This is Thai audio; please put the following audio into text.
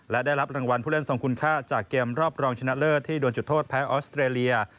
และได้รับรางวัลผู้เล่นทรงคุณค่าจากเกมรอบรองชนะเลิศที่โดนจุดโทษแพ้ออสเตรเลีย